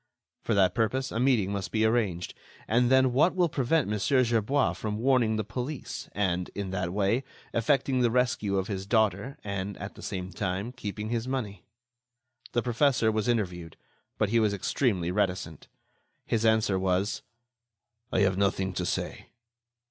For that purpose, a meeting must be arranged, and then what will prevent Mon. Gerbois from warning the police and, in that way, effecting the rescue of his daughter and, at the same time, keeping his money? The professor was interviewed, but he was extremely reticent. His answer was: "I have nothing to say."